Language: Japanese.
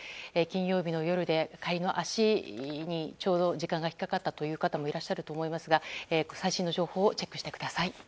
金曜日の夜で帰りの足にちょうど時間が引っかかったという方もいらっしゃると思いますが最新の情報をチェックしてください。